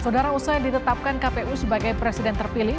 saudara usai ditetapkan kpu sebagai presiden terpilih